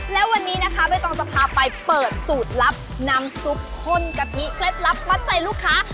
แล้ววันนี้นะคะใบตองจะพาไปเปิดสูตรลับน้ำซุปข้นกะทิเคล็ดลับมัดใจลูกค้า